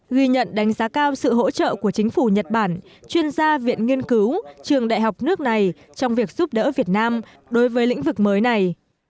ghi nhận đánh giá cao sự hỗ trợ của chính phủ nhật bản chuyên gia viện nghiên cứu trường đại học nước này trong việc giúp đỡ việt nam đối với lĩnh vực mới này